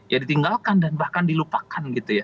ya ditinggalkan dan bahkan dilupakan gitu ya